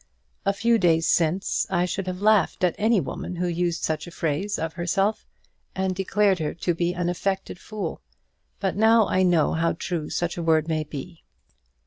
A few days since I should have laughed at any woman who used such a phrase of herself, and declared her to be an affected fool; but now I know how true such a word may be.